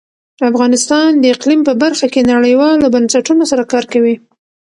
افغانستان د اقلیم په برخه کې نړیوالو بنسټونو سره کار کوي.